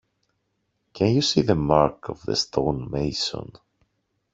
Can you see the mark of the stonemason?